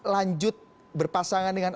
lanjut berpasangan dengan